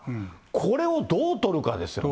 これをどうとるかですよね。